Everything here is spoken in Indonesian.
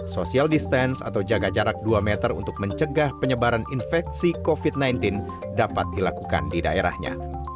social distance atau jaga jarak dua meter untuk mencegah penyebaran infeksi covid sembilan belas dapat dilakukan di daerahnya